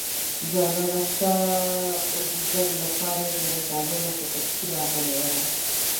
جانانه ستا ديدن لپاره زه د کابله په ټکسي راغلی يمه